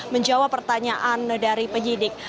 menjawab pertanyaan dari penyidik